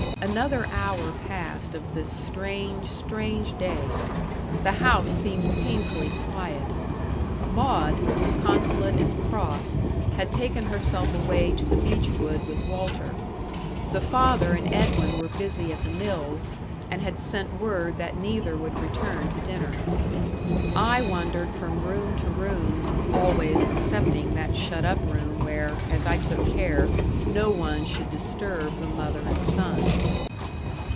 Another hour passed of this strange, strange day. The house seemed painfully quiet. Maud, disconsolate and cross, had taken herself away to the beech wood with Walter; the father and Edwin were busy at the mills, and had sent word that neither would return to dinner. I wandered from room to room, always excepting that shut up room where, as I took care, no one should disturb the mother and son.